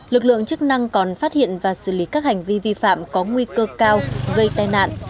lực lượng chức năng còn phát hiện và xử lý các hành vi vi phạm có nguy cơ cao gây tai nạn